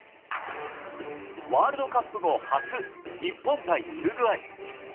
ワールドカップ後初、日本対ウルグアイ。